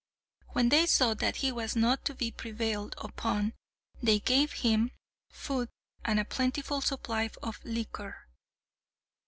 When they saw that he was not to be prevailed upon, they gave him food and a plentiful supply of liquor.